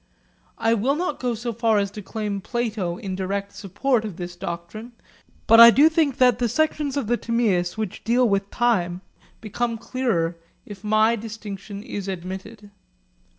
I will not go so far as to claim Plato in direct support of this doctrine, but I do think that the sections of the Timaeus which deal with time become clearer if my distinction is admitted.